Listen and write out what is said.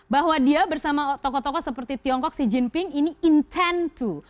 bahwa dia bersama tokoh tokoh seperti tiongkok xi jinping ini intent to